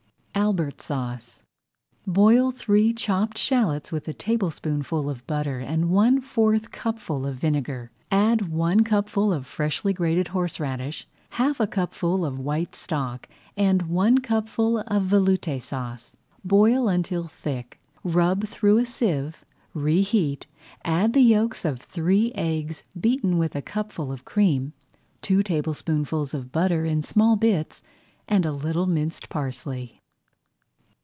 ALBERT SAUCE Boil three chopped shallots with a tablespoonful of butter and one fourth cupful of vinegar. Add one cupful of freshly grated horseradish, half a cupful of white stock and one cupful of Veloute Sauce. Boil until thick, rub through a sieve, reheat, add the yolks of three eggs beaten with a cupful of cream, two tablespoonfuls of butter in small bits, and a little minced parsley.